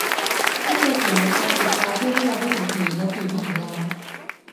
ถ้าเจอผี การปิดตาช่วยให้เราไม่เห็นผี และผีไม่เห็นเรา